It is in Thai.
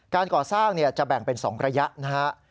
การก่อสร้างจะแบ่งเป็น๒ระยะนะฮะ